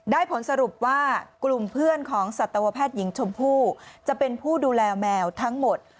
ผลสรุปว่ากลุ่มเพื่อนของสัตวแพทย์หญิงชมพู่จะเป็นผู้ดูแลแมวทั้งหมด